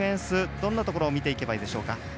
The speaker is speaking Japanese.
どんなところを見ていけばいいでしょうか。